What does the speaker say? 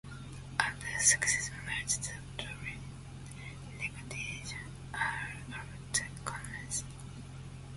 After a successful match, the dowry negotiations are allowed to commence.